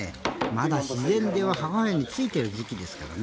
まだ自然では母親についてる時期ですからね。